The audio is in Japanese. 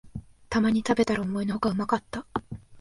たまに食べたら思いのほかうまかった